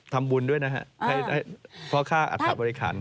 คนโตน่าจะ๑๙บาทละครึ่ง